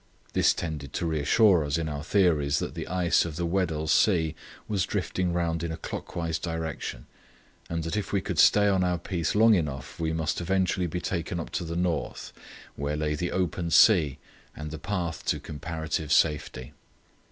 This tended to reassure us in our theories that the ice of the Weddell Sea was drifting round in a clockwise direction, and that if we could stay on our piece long enough we must eventually be taken up to the north, where lay the open sea and the path to comparative safety.